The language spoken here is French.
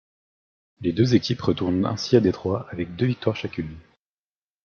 Les deux équipes retournent ainsi à Détroit avec deux victoires chacune.